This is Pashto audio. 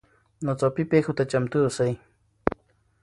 ناڅاپي پیښو ته چمتو اوسئ.